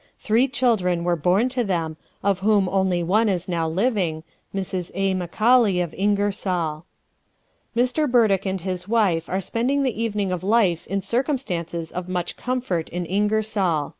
Three children were born to them, of whom only one is now living, Mrs. A. Macaulay, of Ingersoll. Mr. Burdick and his wife are spending the evening of life in circumstances of much comfort in Ingersoll.